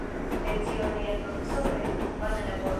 Lecionoj al profesoro estas vana laboro.